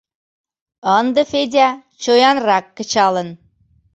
Ынде Федя чоянрак кычалын.